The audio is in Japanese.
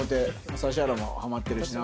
指原もハマってるしな。